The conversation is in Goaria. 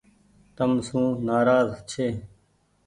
تم سون نآراز ڇي۔